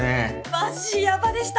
マジやばでした！